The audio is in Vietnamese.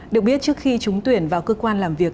được biết trước khi trúng tuyển vào cơ quan làm việc